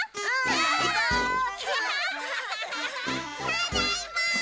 ただいま！